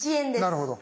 なるほど。